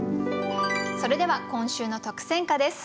それでは今週の特選歌です。